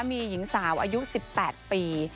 มีหญิงสาวอายุ๑๘ปี